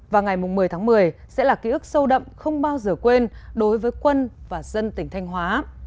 và ngày một mươi tháng một mươi sẽ là ký ức sâu đậm không bao giờ quên đối với quân và dân tỉnh thanh hóa